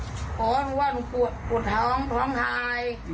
เพราะว่าผมปวดท้องท้องทาย